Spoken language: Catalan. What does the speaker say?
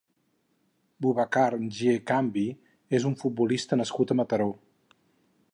Bubacar Njie Kambi és un futbolista nascut a Mataró.